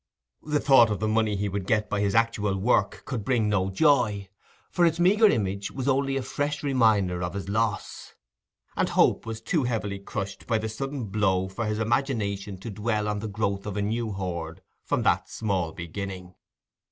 The thought of the money he would get by his actual work could bring no joy, for its meagre image was only a fresh reminder of his loss; and hope was too heavily crushed by the sudden blow for his imagination to dwell on the growth of a new hoard from that small beginning.